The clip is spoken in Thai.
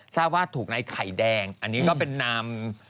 ทราบว่าถูกในไข่แดงอันนี้ก็เป็นนาม